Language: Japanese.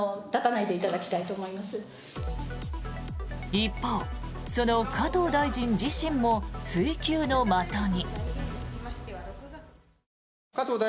一方、その加藤大臣自身も追及の的に。